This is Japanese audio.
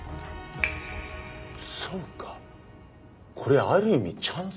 そうかこれある意味チャンスだ。